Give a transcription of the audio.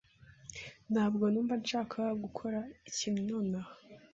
Ntabwo numva nshaka gukora ikintu nonaha.